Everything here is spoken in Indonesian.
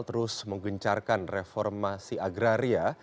terus menggencarkan reformasi agraria